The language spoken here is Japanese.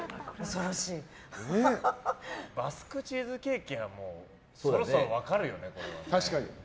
バスクチーズケーキなんか分かるよね。